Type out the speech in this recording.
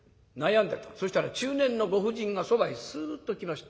そしたら中年のご婦人がそばへスッと来ました。